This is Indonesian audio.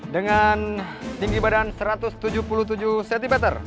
dengan tinggi badan satu ratus tujuh puluh tujuh cm